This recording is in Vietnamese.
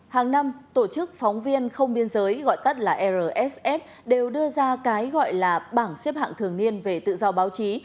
hàng năm tổ chức phóng viên không biên giới gọi tắt là rsf đều đưa ra cái gọi là bảng xếp hạng thường niên về tự do báo chí